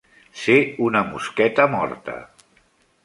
Ser una mosqueta morta.